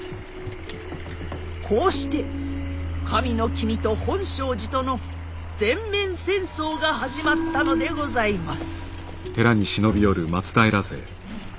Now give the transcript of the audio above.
こうして神の君と本證寺との全面戦争が始まったのでございます。